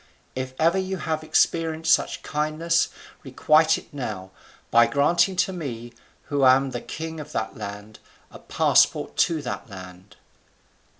If ever you have experienced such kindness, requite it now, by granting to me, who am the king of that land, a passport to that land."